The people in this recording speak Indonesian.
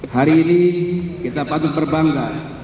hari ini kita patut berbangga